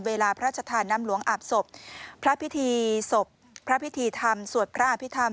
เวลาพระชธานน้ำหลวงอาบศพพระพิธีศพพระพิธีธรรมสวดพระอภิษฐรร